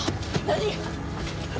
何？